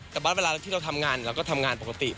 แต่ว่าเวลาที่เราทำงานเราก็ทำงานปกติ